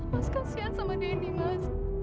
mas kasihan sama deni mas